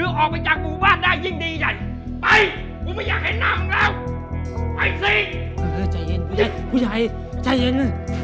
เออเออใจเย็นผู้ใหญ่ผู้ใหญ่ใจเย็น